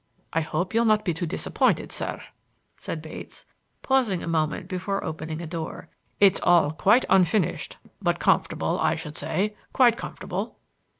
"I hope you'll not be too much disappointed, sir," said Bates, pausing a moment before opening a door. "It's all quite unfinished, but comfortable, I should say, quite comfortable."